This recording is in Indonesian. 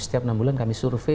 setiap enam bulan kami survei